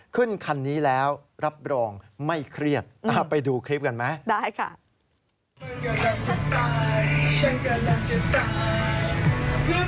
ขึ้นคันนี้แล้วรับรองไม่เครียดไปดูคลิปกันไหมได้ค่ะ